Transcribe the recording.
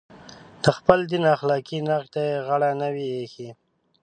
د خپل دین اخلاقي نقد ته یې غاړه نه وي ایښې.